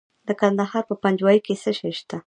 د کندهار په پنجوايي کې څه شی شته؟